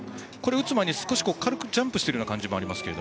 打つ前に少し軽くジャンプしている感じもあります。